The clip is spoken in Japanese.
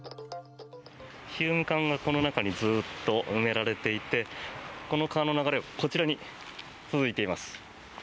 ヒューム管がこの中にずっと埋められていてこの川の流れはこちらに続いています。